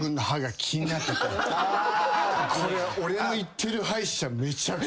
俺の行ってる歯医者めちゃくちゃいい。